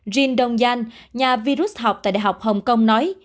jin dongyan nhà virus học tại đại học hồng kông nói